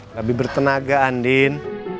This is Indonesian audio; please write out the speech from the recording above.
lebih bertenaga andin